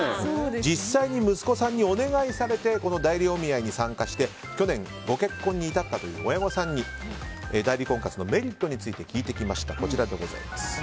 実際に息子さんにお願いされて代理お見合いに参加して去年ご結婚に至ったという親御さんに代理婚活のメリットについて聞いてきました。